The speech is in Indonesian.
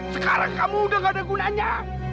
sekarang kamu sudah tidak ada gunanya